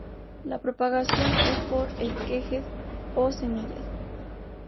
La propagación es por esquejes o semillas.